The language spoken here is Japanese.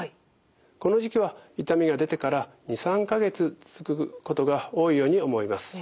この時期は痛みが出てから２３か月続くことが多いように思います。